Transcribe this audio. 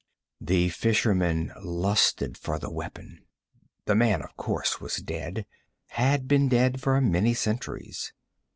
The fisherman lusted for the weapon. The man, of course, was dead; had been dead for many centuries.